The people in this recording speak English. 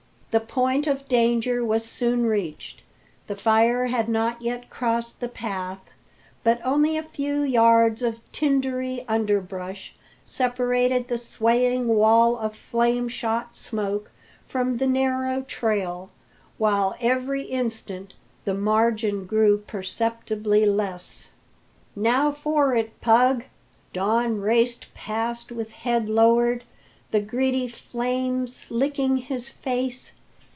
The point of danger was soon reached. The fire had not yet crossed the path, but only a few yards of tindery underbrush separated the swaying wall of flame shot smoke from the narrow trail, while every instant the margin grew perceptibly less. "Now for it, Pug!" Don raced past with head lowered, the greedy flames licking his face.